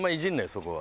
そこは。